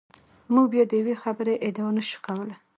موږ بیا د یوې خبرې ادعا نشو کولای.